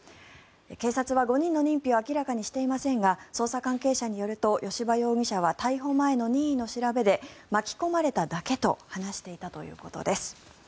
警察は５人の認否を明らかにしていませんが捜査関係者によると吉羽容疑者は逮捕前の任意の調べで巻き込まれただけと話していたということです。